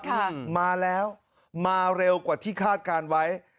ค่ะมาแล้วมาเร็วกว่าที่คาดการณ์ไว้